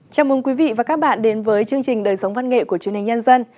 chào mừng quý vị và các bạn đến với chương trình đời sống văn nghệ của truyền hình nhân dân